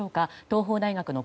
東邦大学の